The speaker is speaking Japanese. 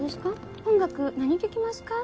「音楽何聴きますか？」